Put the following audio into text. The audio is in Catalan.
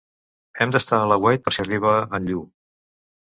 Hem d'estar a l'aguait per si arriba en Llu